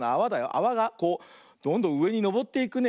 あわがこうどんどんうえにのぼっていくね。